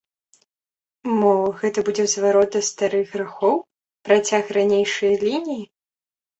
Мо гэта будзе зварот да старых грахоў, працяг ранейшае лініі?